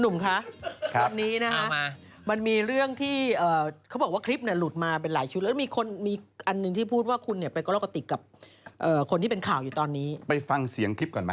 คะตอนนี้นะฮะมันมีเรื่องที่เขาบอกว่าคลิปเนี่ยหลุดมาเป็นหลายชุดแล้วมีคนมีอันหนึ่งที่พูดว่าคุณเนี่ยไปกรอกกะติกกับคนที่เป็นข่าวอยู่ตอนนี้ไปฟังเสียงคลิปก่อนไหม